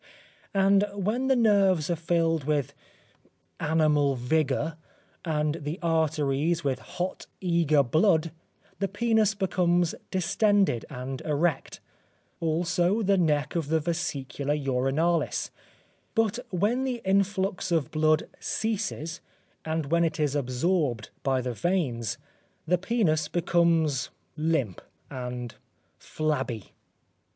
And when the nerves are filled with animal vigour and the arteries with hot, eager blood, the penis becomes distended and erect; also the neck of the vesicula urinalis, but when the influx of blood ceases, and when it is absorbed by the veins, the penis becomes limp and flabby.